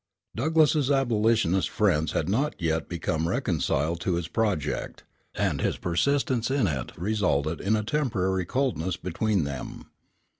Douglass's abolitionist friends had not yet become reconciled to this project, and his persistence in it resulted in a temporary coldness between them.